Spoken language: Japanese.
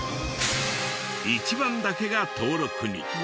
一番だけが登録に。